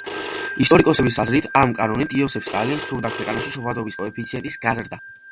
ისტორიკოსების აზრით, ამ კანონით იოსებ სტალინს სურდა ქვეყანაში შობადობის კოეფიციენტის გაზრდა.